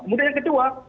kemudian yang kedua